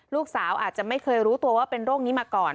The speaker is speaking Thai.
ลูกสาวอาจจะไม่เคยรู้ตัวว่าเป็นโรคนี้มาก่อน